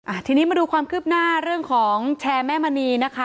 ทีนี้มาดูความคืบหน้าเรื่องของแชร์แม่มณีนะคะ